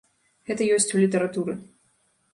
Гэта ёсць у літаратуры.